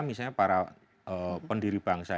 misalnya para pendiri bangsa